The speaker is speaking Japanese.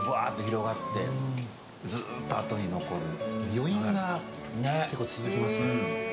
余韻が続きますね。